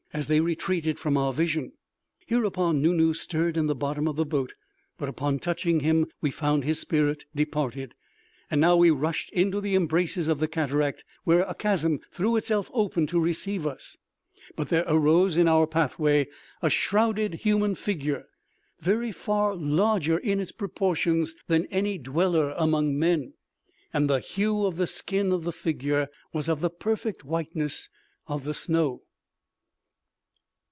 _as they retreated from our vision. Hereupon Nu Nu stirred in the bottom of the boat; but upon touching him we found his spirit departed. And now we rushed into the embraces of the cataract, where a chasm threw itself open to receive us. But there arose in our pathway a shrouded human figure, very far larger in its proportions than any dweller among men. And the hue of the skin of the figure was of the perfect whiteness of the snow.